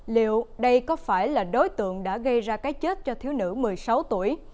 liệu đây có phải là đối tượng đã gây ra cái chết cho thiếu nữ một mươi sáu tuổi